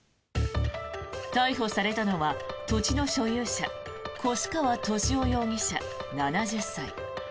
逮捕されたのは土地の所有者越川俊雄容疑者、７０歳。